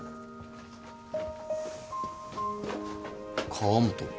河本